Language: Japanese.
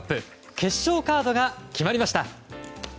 決勝カードが決まりました。